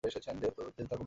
যেতে থাকুন বস!